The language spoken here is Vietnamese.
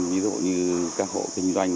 ví dụ như các hộ kinh doanh